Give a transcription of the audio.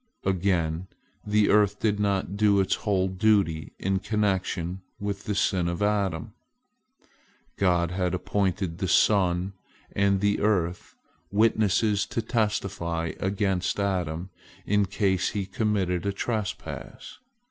Again, the earth did not do its whole duty in connection with the sin of Adam. God had appointed the sun and the earth witnesses to testify against Adam in case he committed a trespass.